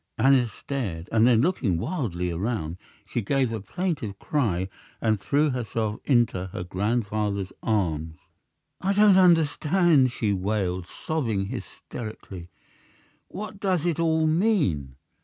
Aneth stared, and then, looking wildly around, she gave a plaintive cry and threw herself into her grandfather's arms. "I don't understand!" she wailed, sobbing hysterically. "What does it all mean?